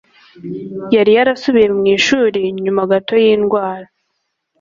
yari yarasubiye mu ishuri nyuma gato y'indwara